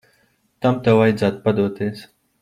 Tam tev vajadzētu padoties.